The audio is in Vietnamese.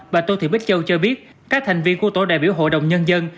bà tô thị bích châu cho biết các thành viên của tổ đại biểu hội đồng nhân dân